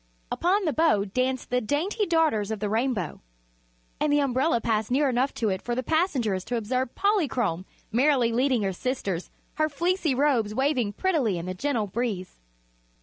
Upon the bow danced the dainty Daughters of the Rainbow, and the umbrella passed near enough to it for the passengers to observe Polychrome merrily leading her sisters, her fleecy robes waving prettily in the gentle breeze.